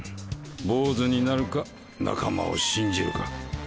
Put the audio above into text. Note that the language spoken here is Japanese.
坊ずになるか仲間を信じるか。